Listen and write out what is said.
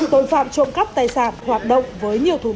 tội phạm trộm cắp tài sản hoạt động với nhiều thủ đoạn